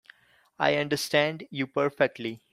I understand you perfectly.